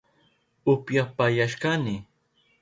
Upyapayashkani